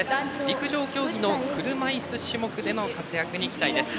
陸上競技の車いす種目での活躍に期待です。